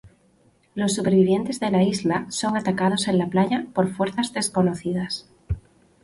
Los supervivientes de la isla son atacados en la playa por fuerzas desconocidas.